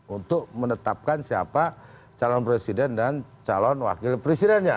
untuk menetapkan siapa calon presiden dan calon wakil presidennya